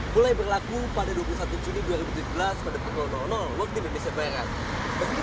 mulai berlaku pada dua puluh satu juni dua ribu tujuh belas pada tahun dua ribu dua puluh waktu di bnp seberang